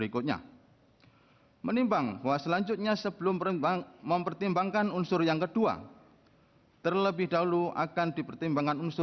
kepulauan seribu kepulauan seribu